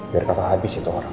biar kata habis itu orang